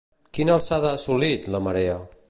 Quina alçada ha assolit, la marea?